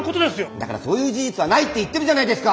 だからそういう事実はないって言ってるじゃないですか！